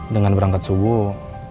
dengan berangkat subuh